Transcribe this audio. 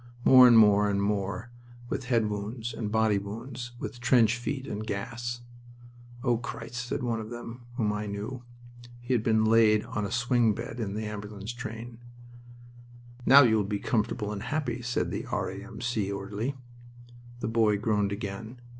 More, and more, and more, with head wounds, and body wounds, with trench feet, and gas. "O Christ!" said one of them whom I knew. He had been laid on a swing bed in the ambulance train. "Now you will be comfortable and happy," said the R.A.M.C. orderly. The boy groaned again.